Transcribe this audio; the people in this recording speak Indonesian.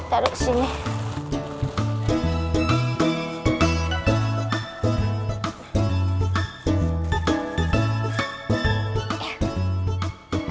terima kasih pak